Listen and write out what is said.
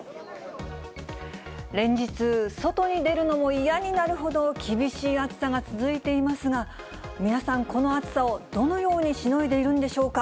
連日、外に出るのも嫌になるほど、厳しい暑さが続いていますが、皆さん、この暑さをどのようにしのいでいるんでしょうか。